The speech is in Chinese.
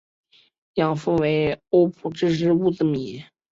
养父为欧普之狮乌兹米。